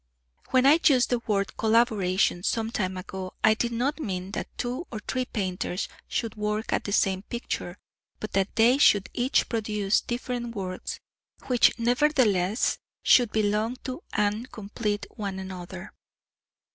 When I used the word "collaboration" some time ago I did not mean that two or three painters should work at the same picture, but that they should each produce different works which nevertheless should belong to and complete one another.